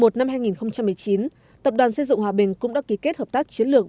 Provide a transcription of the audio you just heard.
tháng một mươi một năm hai nghìn một mươi chín tập đoàn xây dựng hòa bình cũng đã ký kết hợp tác chiến lược